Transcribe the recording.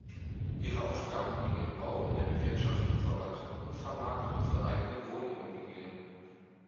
Ihre Aufgaben liegen im Bau, in der Bewirtschaftung, Verwaltung und Vermarktung von eigenen Wohnimmobilien.